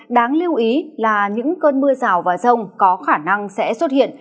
đáng lưu ý là những cơn mưa rào và rông có khả năng sẽ xuất hiện